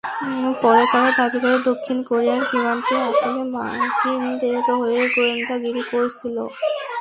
পরে তারা দাবি করে, দক্ষিণ কোরিয়ার বিমানটি আসলে মার্কিনদের হয়ে গোয়েন্দাগিরি করছিল।